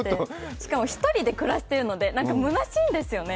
しかも１人で暮らしているのでむなしいんですよね。